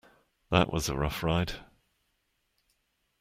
That was a rough ride.